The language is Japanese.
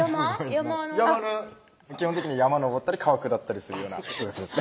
山の山の基本的に山登ったり川下ったりするようなスポーツです